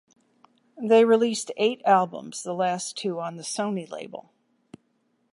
They released eight albums, the last two on the Sony label.